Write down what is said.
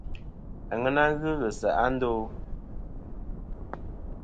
Aŋena ghɨ ghɨ se'a ndo ?